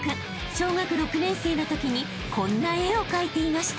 小学６年生のときにこんな絵を描いていました］